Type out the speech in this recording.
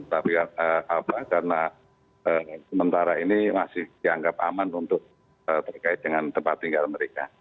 tapi karena sementara ini masih dianggap aman untuk terkait dengan tempat tinggal mereka